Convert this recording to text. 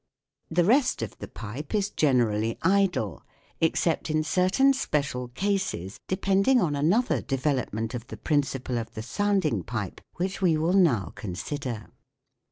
The rest of the pipe is generally idle ; except in certain special cases depending on another development of the principle of the sounding pipe, which we will now consider.